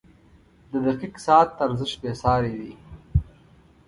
• د دقیق ساعت ارزښت بېساری دی.